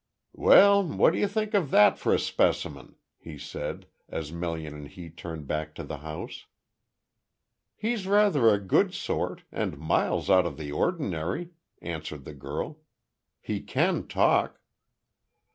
"Well, what do you think of that for a specimen?" he said, as Melian and he turned back to the house. "He's rather a good sort, and miles out of the ordinary," answered the girl. "He can talk."